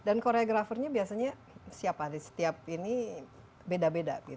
dan koreografernya biasanya siapa setiap ini beda beda